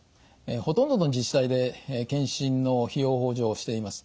ほとんどの自治体で検診の費用補助をしています。